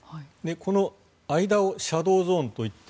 この間をシャドーゾーンといって